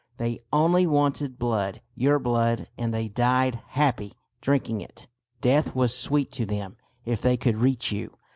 They only wanted blood; your blood, and they died happy, drinking it. Death was sweet to them if they could reach you.